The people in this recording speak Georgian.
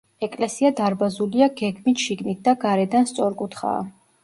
ეკლესია დარბაზულია გეგმით შიგნით და გარედან სწორკუთხაა.